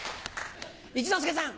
一之輔さん。